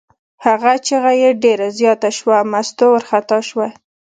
هغه چغه یې ډېره زیاته شوه، مستو وارخطا شوه.